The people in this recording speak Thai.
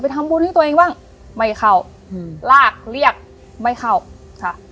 ทำบุญให้ตัวเองบ้างไม่เข้าอืมลากเรียกไม่เข้าค่ะ